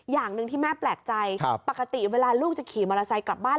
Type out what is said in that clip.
อย่างหนึ่งที่แม่แปลกใจปกติเวลาลูกจะขี่มอเตอร์ไซค์กลับบ้าน